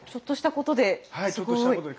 ちょっとしたことで。